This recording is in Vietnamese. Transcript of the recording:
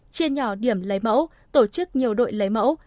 trên nhỏ điểm lấy mẫu tổ chức nhiều đội lấy mẫu